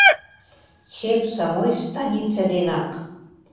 Чеп самой станице денак!